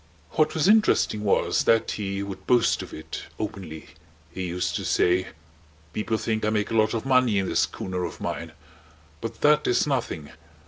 What was interesting was that he would boast of it openly. He used to say: "People think I make a lot of money in this schooner of mine. But that is nothing.